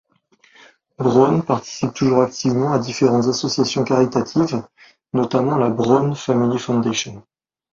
Braun participe toujours activement à différentes associations caritatives, notamment la Braun Family Foundation.